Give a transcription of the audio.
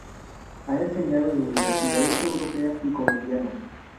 Ha enseñado en universidades europeas y colombianas.